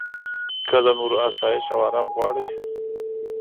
که د نورو اسایش او ارام غواړې.